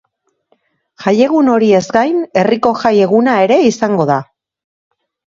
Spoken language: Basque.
Jaiegun horiez gain, herriko jai eguna ere izango da.